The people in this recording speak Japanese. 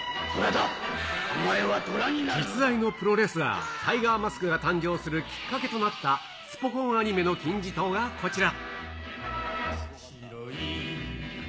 実在のプロレスラー、タイガーマスクが誕生するきっかけとなった、スポ根アニメの金字塔がこちら。